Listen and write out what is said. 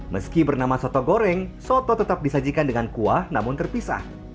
meski bernama soto goreng soto tetap disajikan dengan kuah namun terpisah